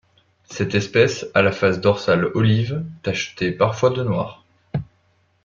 Cette espèce a la face dorsale olive, tachetée parfois de noir.